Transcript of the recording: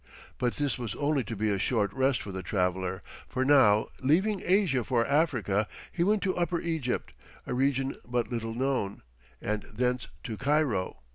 But this was only to be a short rest for the traveller, for now, leaving Asia for Africa, he went to Upper Egypt, a region but little known, and thence to Cairo.